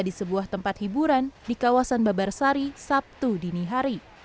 di sebuah tempat hiburan di kawasan babarsari sabtu dini hari